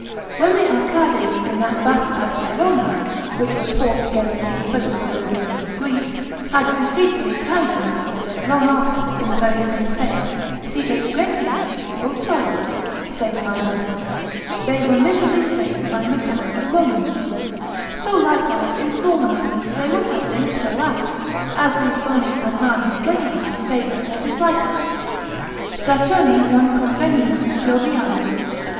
When the Arcades in that battle at Cheronae, which was fought against King Philip for the liberty of Greece, had deceitfully carried themselves, long after, in the very same place, Diis Graeciae, ultoribus (saith mine author) they were miserably slain by Metellus the Roman: so likewise, in smaller matters, they will have things fall out, as these boni and mali genii favour or dislike us: Saturni non conveniunt Jovialibus, &c.